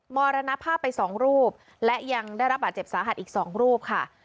มรณภาพไปสองรูปและยังได้รับบาดเจ็บสาหัสอีก๒รูปค่ะ